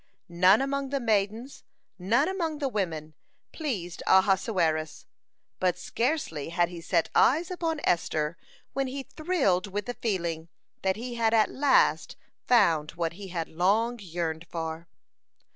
None among the maidens, none among the women, pleased Ahasuerus. But scarcely had he set eyes upon Esther when he thrilled with the feeling, that he had at last found what he had long yearned for.